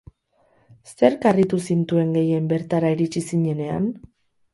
Zerk harritu zintuen gehien bertara iritsi zinenean?